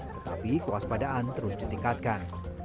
tetapi kewaspadaan terus ditingkatkan